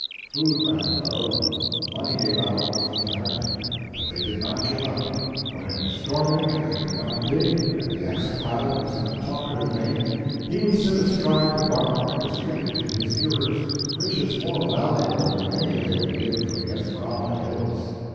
Food ran low, money gave out almost entirely, but they did not give up. When it was stormy and they could not dig, and the ex pilot was in a talkative vein, he would sit astride the bunk and distribute to his hearers riches more valuable than any they would dig from the Esmeralda hills.